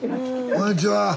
こんにちは。